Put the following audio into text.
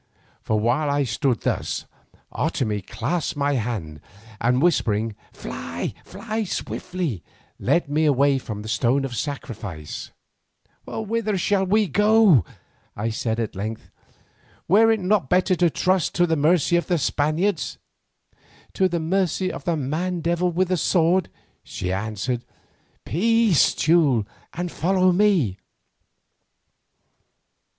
For while I stood thus, Otomie clasped my hand, and whispering, "Fly, fly swiftly!" led me away from the stone of sacrifice. "Whither shall we go?" I said at length. "Were it not better to trust to the mercy of the Spaniards?" "To the mercy of that man devil with the sword?" she answered. "Peace, Teule, and follow me."